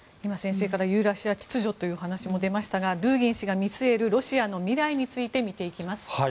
先生からユーラシア秩序という話も出ましたがドゥーギン氏が見据えるロシアの未来について見ていきます。